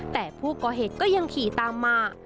แต่ผู้ก่อเหตุก็ยังขี่ตามมา